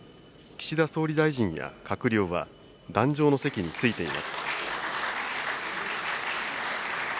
岸田総理大臣や閣僚は、壇上の席に着いています。